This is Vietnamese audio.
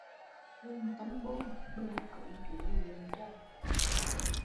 Phường tâm bôn, đồ trốn chúa lộn chồng